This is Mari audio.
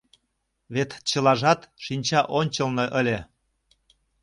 Вет чылажат шинча ончылно ыле.